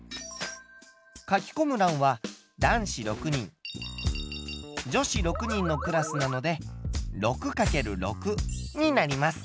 書きこむらんは男子６人女子６人のクラスなので６×６になります。